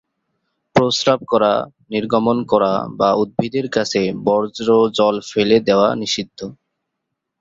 প্রস্রাব করা, নির্গমন করা বা উদ্ভিদের কাছে বর্জ্য জল ফেলে দেওয়া নিষিদ্ধ।